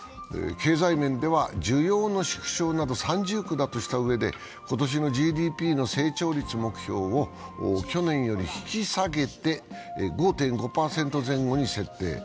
経済面では需要の縮小など三重苦だとしたうえで今年のＧＤＰの成長率目標を去年より引き下げて５．５％前後に設定。